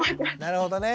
なるほどね。